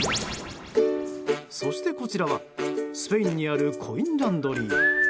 そして、こちらはスペインにあるコインランドリー。